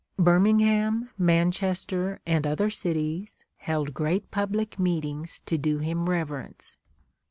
Birmingham, Manchester, and other cities held great public meetings to do him reverence.